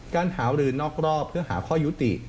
การหารือนอกรอบเพื่อหาข้อยุติ